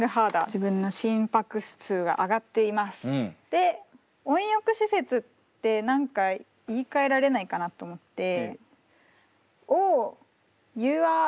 で「温浴施設」って何か言いかえられないかなと思って。